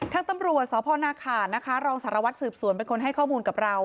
ทางตำรวจสพนาขานนะคะรองสารวัตรสืบสวนเป็นคนให้ข้อมูลกับเรา